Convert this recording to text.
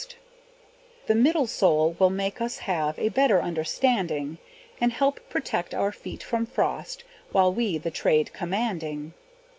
The middle sole will make us have A better understanding, And help protect our feet from frost, While we the trade commanding.